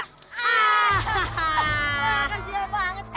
kasian banget sih